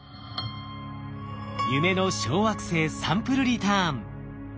夢の小惑星サンプルリターン。